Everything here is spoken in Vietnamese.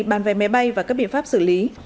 bán vé máy bay và các biện pháp xử lý